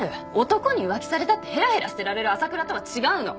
男に浮気されたってヘラヘラしてられる朝倉とは違うの。